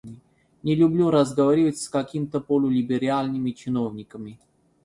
Не люблю разговаривать с какими-то полулиберальными чиновниками.